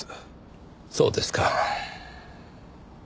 そうですか。